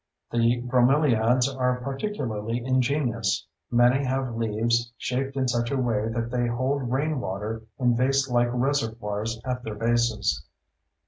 The bromeliads are particularly ingenious: many have leaves shaped in such a way that they hold rainwater in vaselike reservoirs at their bases.